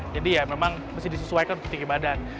jadi ya memang mesti disesuaikan untuk tinggi badan